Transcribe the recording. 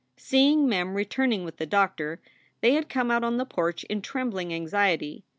Seeing Mem returning with the doctor, they had come out on the porch in trembling anxiety.